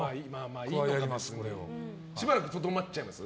しばらくとどまっちゃいます？